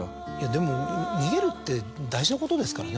でも逃げるって大事なことですからね。